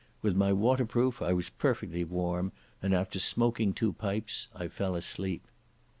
With my waterproof I was perfectly warm, and, after smoking two pipes, I fell asleep.